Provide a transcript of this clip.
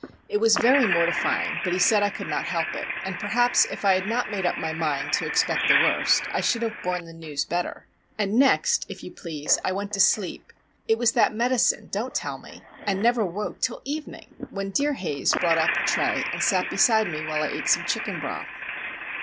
It was very mortifying, but he said I could not help it, and perhaps if I had not made up my mind to expect the worst, I should have borne the news better. And, next, if you please, I went to sleep,—it was that medicine, don't tell me!—and never woke till evening, when dear Haze brought up a tray and sat beside me while I ate some chicken broth.